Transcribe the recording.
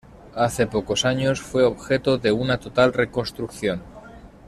Hace pocos años fue objeto de una total reconstrucción.